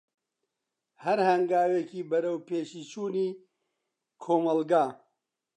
هەر هەنگاوێکی بەروەپێشی چوونی کۆمەلگا.